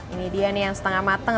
ini dia nih yang setengah matang